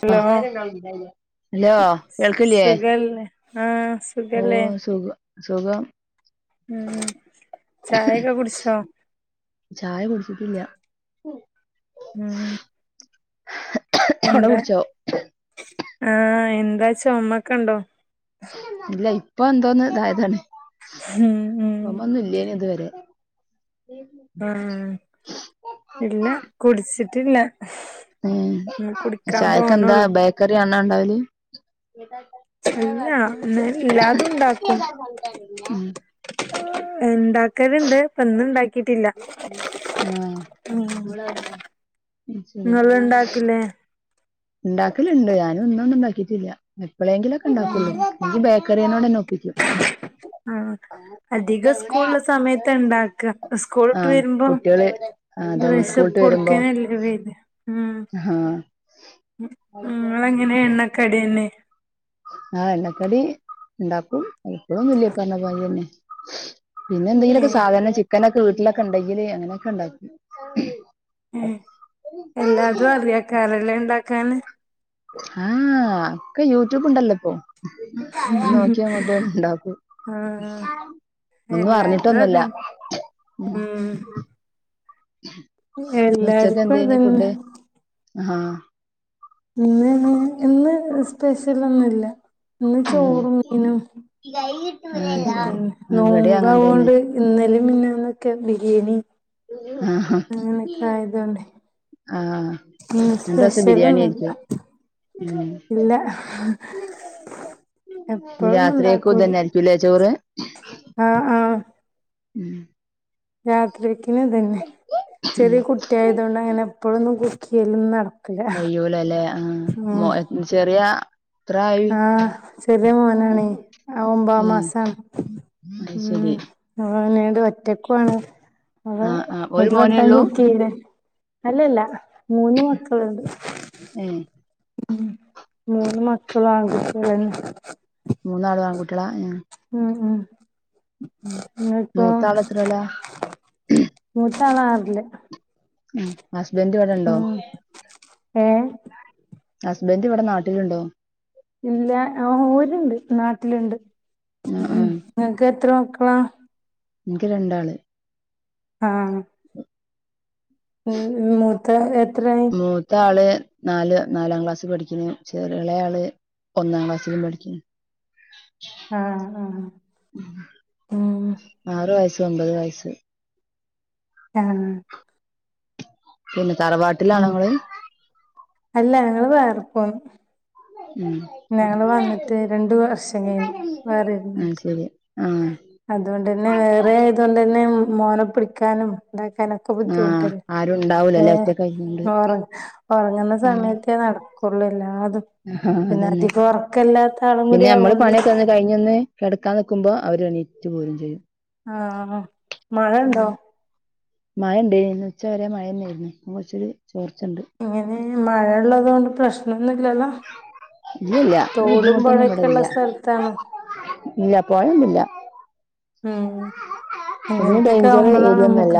Hello hello കേൾക്ക്ല്ലേ? എന്ന് ആഹ് സ് ഓഹ് സുഖം സുഖം ഉം ചായക്കൊ കുട്ച്ചോ? ചായ കുട്ച്ചിട്ടില്ല. ഉം അവിടെ എന്താ കുടിച്ചോ ആഹ് എന്താ ചൊമക്കെണ്ടോ? ഇല്ല ഇപ്പൊ എന്തോന്ന് ഇതായതാണ്. ഉം ഉം ചൊമന്നും ഇല്ലേനി ഇതുവരെ ഉം ഇല്ല കുട്ച്ചിട്ട്ല്ല. ഉം ചായക്കെന്താ ബേക്കറിയാണോ ണ്ടാവല്? [inaudible] അല്ല ഇന്ന് എല്ലാതും ഇണ്ടാക്കല്ണ്ട്. പ്പന്ന് ഇണ്ടാക്കിട്ടില്ല. ആഹ് ഇങ്ങള് ണ്ടാക്ക്ല്ലേ ഇണ്ടാക്കല്ണ്ട് ഞാനും ഇന്നൊന്നും ഇണ്ടാക്കീട്ടില്ല. എപ്പ്ളേങ്കിലൊക്കെ ഉം ഇണ്ടാക്കുള്ളു. ബേക്കറിനോട് ന്നെ പ്പിക്കും. ആഹ് അധികം സ്കൂളുള്ള സമയത്താ ഇണ്ടാക്ക സ്കൂള്ട്ട് ആഹ് വര്മ്പം കുട്ടികള് ആഹ് അതന്നെ സ്കൂളിട്ട് വരുമ്പോ വെശപ്പോട്ക്കനല്ലേ വരാ. ഉം ആഹ് നിങ്ങളെങ്ങനെ എണ്ണക്കടിന്നെ ആഹ് എണ്ണക്കടിണ്ടാക്കും പ്പൊളൊന്നുല്ല ഈ പറഞ്ഞപോല തന്നെ പിന്നെ എന്തെങ്കിലുക്കെ ഏഹ് സാധനം ചിക്കനൊക്കെ വീട്ടിലൊക്കെ ണ്ടെങ്കില് അങ്ങനെയൊക്കെണ്ടാക്കു ഉം എല്ലാതും അറിയാകാരല്ലെണ്ടാക്കാന് ഏഹ് ഏഹ് ഒക്കെ യൂട്യൂബ് ഉണ്ടല്ലോ ഇപ്പോ നോക്കിയങ്ങോട്ട്ണ്ടാക്കും ആഹ് ഒന്നും എല്ലാര്തും അറിഞ്ഞിട്ടൊന്നുല്ല അതന്നെ ഉം ന്ന് ഉച്ചക് എല്ലാര്ക്കും എന്തേഞ് അതന്നെ ഫുഡ് ആഹ് ഇന്ന് ഇന്ന് സ്പെഷ്യലൊന്നുല്ല ഇന്ന് ഉം ചോറും മീനും ആഹ് ങ്ങൻ ശരി തന്നെ ഇവിടെയും അങ്ങനെ തന്നെ നോമ്പാവൊണ്ട് ഇന്നലിം മിനിന്ന്ന്നൊക്കെ ബിരിയാണി ആഹ് അങ്ങനെയൊക്കെ ആയതോണ്ട് ആഹ് രണ്ടോസം ബിരിയാണി സ്പെഷ്യലൊന്നുല്ല ആയിരിക്കും ഉം ഇല്ല എപ്പോഴൊന്നും രാത്രിയേക്കും ഉണ്ടാക്കൂല ഇതന്നായിരിക്കുലെ ചോറ് ആഹ് ആഹ് ഉം രാത്രിക്കിന് ഇതന്നെ ഉം ചെറിയ കുട്ടി ആയതോണ്ട് അങ്ങനെ എപ്പോഴൊന്നും കുക്കിയ്യെലൊന്നും നട് കഴൂലല്ലേ ആഹ് മോ ചെറിയ എത്ര ആയി ആഹ് ചെറിയ മോനാണെ ആ ഉം ഒമ്പംമാസ അത് ഉം ശരി ആന്നട് ഒറ്റക്കാണ് അപൊ ആഹ് ആഹ് ഒരു മോനേ വട്ടം ഉള്ളൂ കുക്ക് യ്ത അല്ലല്ല മൂന്ന് മക്കളുണ്ട് ഏഹ് ഉം മൂന്ന് മക്കളും ആൺ കുട്ടികള് തന്നെ മൂന്നാളും ആൺ കൂട്ടിള ഉം ഉം ഉം ങ്ങക്കൊ മൂത്താള് എത്രേലാ മൂത്താള് ആറില് ഉം ഹസ്ബന്റ് ഇവിടെണ്ടോ ഏഹ് ഹസ്ബന്ഡ് ഇവിടെ നാട്ടിലുണ്ടോ ഇല്ല ആഹ് ഓരുണ്ട് നാട്ടില്ണ്ട് ആഹ് ഉം ആഹ് ങ്ങക്ക് എത്ര മക്കളാ ഇൻക്ക് രണ്ടാള് ആഹ് ഉം ഉം മൂത്ത എത്രയ് മൂത്ത ആള് നാല് നാലാം ക്ലാസ്സിൽ പഠിക്കുന്നു ചെറിഎളേ ആള് ഒന്നാം ക്ലാസ്സിലും പഠിക്കുന്ന് ആഹ് ആഹ് ഉം ആറു വയസ്സും ഒമ്പത് വയസ്സും ആഹ് പിന്നെ തറവാ ഉം അല്ല ഞങ്ങള് വേറെ പ്പോ ഉം ഞങ്ങള് വന്നിട്ട് രണ്ട് വർഷം കഴി വേറെ അത് വന്നിട്ട് ശരി ആഹ് അതോണ്ട്ന്നെ വേറെ ആയതോണ്ടന്നെ മോനെ പിടിക്കാനും ണ്ടാക്കാനും ക്കെ ആഹ് ബുദ്ധിമുട്ടല്ലേ ആരും ഉണ്ടാവൂലല്ലേ ഏഹ് ഒറ്റക്കായിക്കൊണ്ട് ഉറ ഉറങ്ങുന്ന ഉം സമയത്തേ നട കൊള്ളൊല്ലു എല്ലാതും ആഹ് പിന്നെ അതന്നെ അധികം ഉറക്കില്ലാത്ത ആളും കൂടി ആവോണ്ട് കഴിഞ്ഞന്ന് കിടക്കാൻ നിക്കുമ്പോ അവര് എണീറ്റ് പോരും ചെയ്യും. ആഹ് ഹ മഴണ്ടോ മഴണ്ട് ഇന്ന് ഉച്ച വരെ മഴന്നെയായിരുന്നു കൊറച്ചൊരു ചോർച്ചണ്ട്. ഇങ്ങനെ മഴ ഉള്ളത് കൊണ്ട് പ്രശ്നൊന്നും ഇല്ലല്ലോ. ഇല്ലില്ല ഇവിടെ ബുദ്ധിമുട്ടൊന്നും ഇവിടെ തോടുമ്പൊഴൊക്കെ ഇല്ല ഉള്ള സ്ഥലത്താണോ ഇല്ല പൊഴയൊന്നുല്ല ഉം പിന്നെ അങ്ങനത്തൊക്കെ ഡേഞ്ചർ ആവുമ്പോഴാണ് ഏരിയൊന്നും ല്ല നമ്മുക്ക്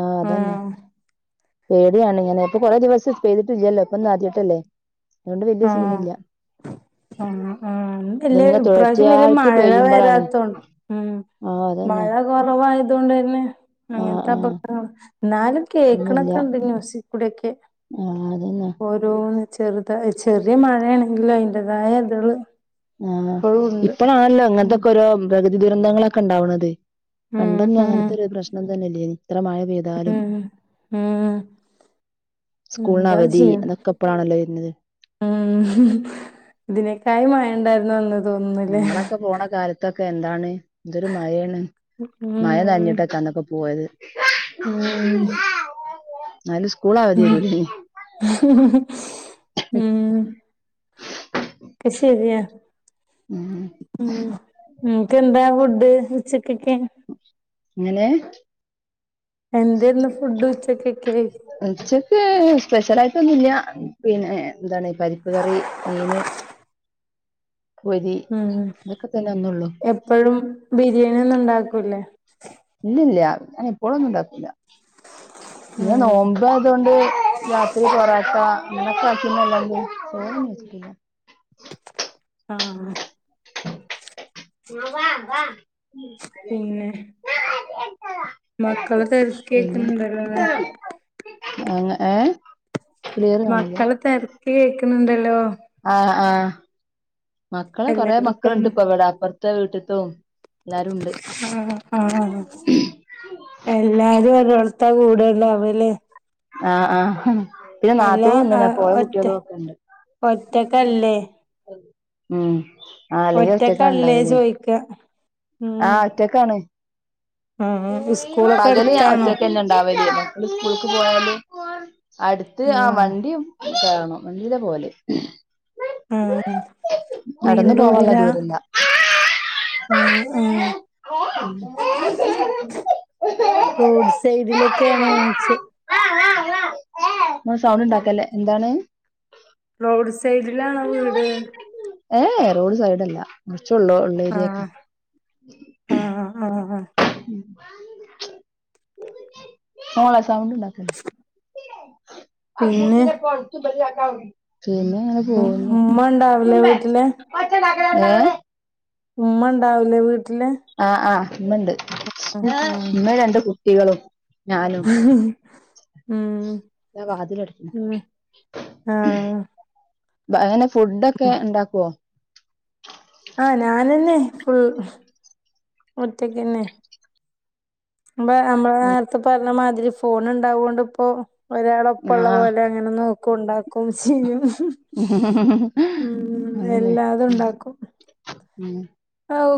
ആഹ് അതന്നെ പേടിയാണ് ഞനെ ഇപ്പൊ കുറെ ദിവസം ചെയ്തിട്ടില്ലല്ലോ ഇപ്പൊ ഒന്ന് ആദ്യായിട്ടല്ലേ. അതോണ്ട് വല്ല്യ ആഹ് സീനില്ല ആഹ് ആഹ് ന്ന്ഇല്ല ഇതിങ്ങനെ ഇപ്രാവശ്യം വല്യ തുടർച്ചയായിട്ട് മഴ വരാത്തോണ്ട് ഉം ആഹ് ആതെ മഴ കുറവായത് കൊണ്ടന്നെ ആ അങ്ങനത്തെ ആ അ എന്നാലും ഒന്നുമില്ല കേക്കണൊക്കെ ഉണ്ട് ന്യൂസിക്കൂടിക്കെ ആ അതന്നെ ഓരോന്ന് ചെറുതായി ചെറിയ മഴയാണെങ്കിലോ അയ്ന്റതായ ഇതള് ആഹ് ഇപ്പോഴും ഉണ്ട് ഇപ്പഴാണല്ലോ ഉം അങ്ങനത്തൊക്കെ ഓരോ പ്രകൃതി ദുരന്തങ്ങളൊക്കെ ഇണ്ടാവണതെ. ഉം പണ്ടൊന്നും ഉം അങ്ങനത്തെ ഒരു പ്രശ്നം തന്നെല്ലേനി ഇത്ര മഴ പെയ്താലും ഉം ഉം സ്കൂളിന് എന്താ അവധി ചെയ്യ അതൊക്കെ എപ്പഴാണല്ലോ വരുന്നത് ഉം ഇതിനേക്കായി മയേണ്ടായിരുന്നു അന്ന് നമ്മളൊക്കെ പോണ കാലത്തൊക്കെ എന്താണ് എന്തൊരു മഴയാണ് മഴ ഉം നനഞ്ഞിട്ടൊ അന്നൊക്കെ പോയത്. ഉം ന്നാലും സ്കൂൾ അവധി ഉം [unintelligible] ഉം ക്കെ ശെരിയ മ് [inaudible] [unintelligible] എന്താ ഫുഡ് കഴിച്ചെ ഉച്ചക്കക്കെ. അങ്ങനെ എന്തരുന്നു ഫുഡ് ഉച്ചക്കക്കെ ഉച്ചയ്ക്ക് സ്പെഷ്യൽ ആയിട്ടൊന്നുല്ല പിന്നെ എന്താണ് പരിപ്പ് കറി മീന് [inaudible] പൊരി ഉം ഇതൊക്കെ തന്നെ ഒന്നുള്ളൂ എപ്പഴും ബിരിയാണി ഒന്നും ഉണ്ടാക്കൂല്ലേ? ഇല്ലില്ല ഞാന് എപ്പോഴൊന്നും ഉണ്ടാക്കില്ല പിന്നെ ഉം നോമ്പ് മ്പായതൊണ്ട് രാത്രി പൊറോട്ട [unintelligible] ചോറൊന്നും വച്ചിട്ടില്ല. ആഹ് [unintelligible] പിന്നെ മക്കള് പിന്നെ തിരക്കിയേക്കുന്നുണ്ടല്ലോ അല്ലേ എങ്ങനെ ഏഹ് മക്കള് തെരക്ക് കേക്കുന്നുണ്ടല്ലോ ആഹ് ആഹ് മക്കള് കൊറേ എല്ലാരും ഇപ്പന്ന് മക്കളുണ്ട് ഇപ്പൊ എവിടെ അപ്പുറത്ത് ത്തെ വീട്ടത്തും എല്ലാവരുണ്ട് ആഹ് ആഹ് എല്ലാരും ഒരോടുത്താ കൂടെണ്ടാവല്ലേ ആഹ് ആഹ് പിന്നെ അല്ല നാത്തൂൻ വന്നിന് ആഹ് പോയ ഒറ്റ കുട്ട്യാള് ഒക്കെ ഉണ്ട് ഒറ്റക്കല്ലേ ഉം ആല്ലെങ്കിലും ഒറ്റക്ക് ഒറ്റക്കല്ലേ ഉണ്ടാവില്ലേ ചോയിക്കാ ഉം ആഹ് ഒറ്റക്കാണ് ആഹ് സ്കൂളൊക്കെ പകല് ഞാൻ അടുത്താണോ ഒറ്റക്ക്ന്നെ ഉണ്ടാവല്ലേ [unintelligible] സ്കൂളിക്ക് പോയാല് അടുത്ത് ആ ആഹ് വണ്ടിയും കാണോ വണ്ടീല പോലെ ആഹ് നടന്നു പോവാനുള്ള മെയിൻറോഡിലാ ദൂരല്ല ആഹ് ആഹ് [unintelligible] റോഡ് സൈഡിലൊക്കെയാണോന്നോയ്ച്ചേ ന സൗണ്ട് ഉണ്ടാക്കല്ലേ എന്താണ് റോഡ് സൈഡിലാണോ വീട് ഏയ് റോഡ് സൈഡല്ല കുറച്ച് ഉള്ളോട്ട് ആഹ് ആഹ് ആഹ് [unintelligible] മോളെ സൗണ്ട് ഉണ്ടാക്കല്ലേ [unintelligible] പിന്നെ പിന്നെ ഉമ്മ ഉണ്ടാവില്ലേ അങ്ങനെ വീട്ടില് പോയി [unintelligible] ഉമ്മ ഉണ്ടാവിലേ വീട്ടില് ആഹ് ആഹ് ഉമ്മയുണ്ട് ആ ആ ഉമ്മയും രണ്ട് കുട്ടികളും ഞാനും ഉം വാതില് അടക്കൂ ഉം ആഹ് എങ്ങനെ ഫുഡൊക്കെ ഉണ്ടാക്കുവോ ആഹ് ഞാനെന്നെ ഫുൾ മുറ്റക്ക്തന്നെ [unintelligible] നമ്മള് നേരത്തെ പറഞ്ഞ മാതിരി ഫോൺ ഉണ്ടാവുകൊണ്ട് ഇപ്പോ ഒരാള് ഒപ്പംഉള്ള ആഹ് പോലെ അങ്ങനെ നോക്കുണ്ടാക്കും ചെയ്യും ഉം അതല്ലേ എല്ലാതും ഉം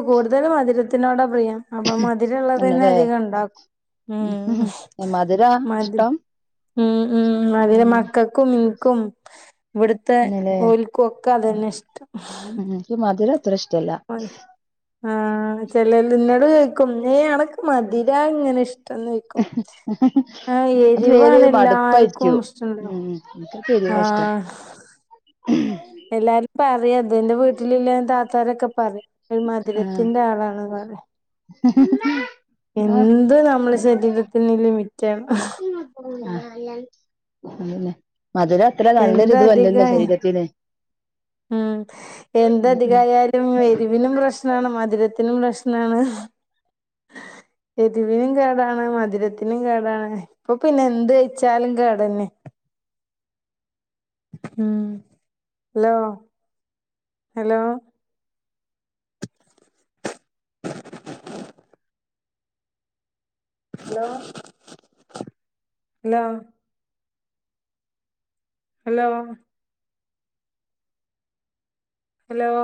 കൂടുതലും മധുരത്തിനോടാ പ്രിയം അപ്പൊ മധുരം ഉള്ളത് തന്നെ തന്നെല്ലേ അധികം ഉണ്ടാക്കും ഉം മധുരാ മതി ഇഷ്ടം ഉം ഉം മധുരം ഉം മക്കൾക്ക് [unintelligible] ഇവിടത്തെ തന്നെല്ലേ ഓൽക്കും ഒക്കെ അതന്നെ ഇഷ്ടം ഉം എനിക്ക് മധുരം അത്ര ഇഷ്ടല്ല ആഹ് ചെല നിന്നോട് ചോയിക്കും നെയ അനക്ക് മധുര ഇങ്ങനെ ഇഷ്ട നിക്കും ആ ഹ് അത് എരിവാണ് എല്ലാർക്കും ഇഷ്ടണ്ട് എനിക്ക് എരിവാ ഇഷ്ടം എല്ലാരും പറയും അത് എന്റെ വീട്ടിലില്ല താത്താരൊക്കെ പറയും ഒരു ആഹ് മധുരത്തിന്റെ ആളാണ് പറയുക [unintelligible] ആഹ് എന്ത് നമ്മളെ ശരീരത്തിന് ലിമിറ്റാണ് [unintelligible] മധുരം അത്ര നല്ലൊര് ഇത് അല്ലല്ലോ എന്തധികായ ശരീരത്തിന് ഉം എന്ത് ഉം ഉം അധികായാലും എരിവിനും പ്രശ്നം മധുരത്തിനും പ്രശ്നാണ് എരുവിനും കേടാണ് മധുരത്തിനും കേടാണ് ഇപ്പൊ പിന്നെ എന്ത് കഴിച്ചാലും കേടന്നെ ഉം hello hello hello hello hello hello